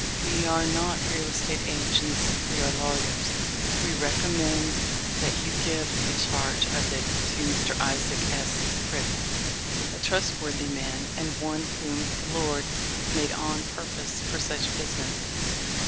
We are not real estate agents, we are lawyers. We recommend that you give the charge of it to Mr. Isaac S. Britton, a trustworthy man, and one whom the Lord made on purpose for such business."